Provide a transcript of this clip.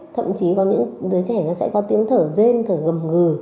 thậm chí có những đứa trẻ nó sẽ có tiếng thở rên thở gầm ngừ